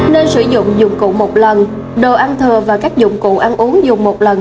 nên sử dụng dụng cụ một lần đồ ăn thừa và các dụng cụ ăn uống dùng một lần